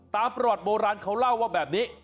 ประวัติโบราณเขาเล่าว่าแบบนี้